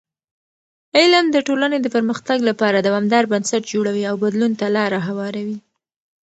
علم د ټولنې د پرمختګ لپاره دوامدار بنسټ جوړوي او بدلون ته لاره هواروي.